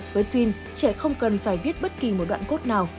với twin trẻ không cần phải viết bất kỳ một đoạn code nào